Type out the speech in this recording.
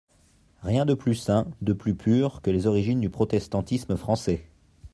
Rien de plus saint, de plus pur, que les origines du protestantisme français.